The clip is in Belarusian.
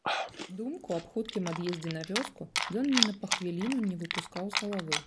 Думку аб хуткім ад'ездзе на вёску ён ні па хвіліну не выпускаў з галавы.